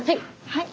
はい。